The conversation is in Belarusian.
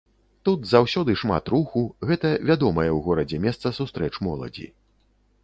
Тут заўсёды шмат руху, гэта вядомае ў горадзе месца сустрэч моладзі.